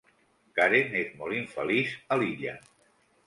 Karen és molt infeliç a l'illa.